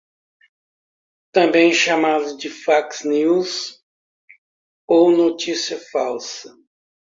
Também chamadas de fake news ou notícias falsas